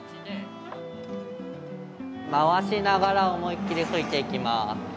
回しながら思いっきり吹いていきます。